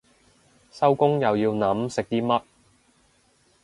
收工又要諗食啲乜